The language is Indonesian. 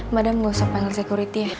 madam gak usah panggil security ya